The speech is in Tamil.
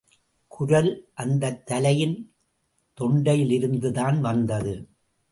குரல், அந்தத் தலையின் தொண்டையிலிருந்துதான் வந்தது.